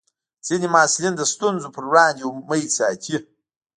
ځینې محصلین د ستونزو پر وړاندې امید ساتي.